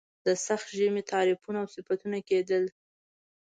د سخت ژمي تعریفونه او صفتونه کېدل.